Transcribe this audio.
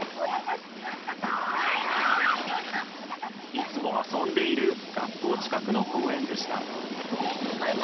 いつも遊んでいる学校近くの公園でした。